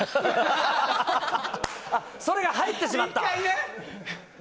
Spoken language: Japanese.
それが入ってしまった。